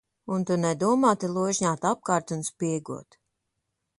Un tu nedomā te ložņāt apkārt un spiegot.